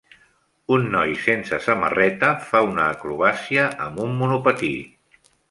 Un noi sense samarreta fa una acrobàcia amb un monopatí.